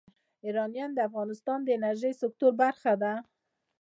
یورانیم د افغانستان د انرژۍ سکتور برخه ده.